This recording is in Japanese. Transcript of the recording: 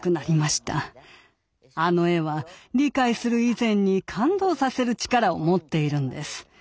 あの絵は理解する以前に感動させる力を持っているんです。